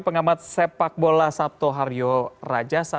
pengamat sepak bola sabtoharyo rajasa